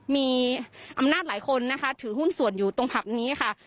มีอำนาจหลายคนนะคะถือหุ้นส่วนอยู่ตรงผับนี้ค่ะ